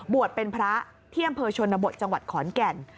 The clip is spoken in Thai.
บวชเป็นพระที่อำเภอชนบทจังหวัดขอนแก่น